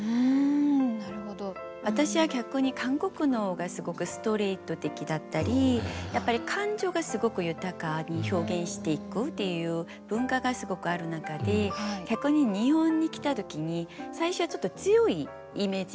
私は逆に韓国の方がすごくストレート的だったりやっぱり感情がすごく豊かに表現していくっていう文化がすごくある中で逆に日本に来た時に最初はちょっと強いイメージ。